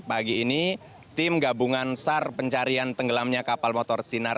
pagi ini tim gabungan sar pencarian tenggelamnya kapal motor sinar